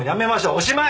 おしまい！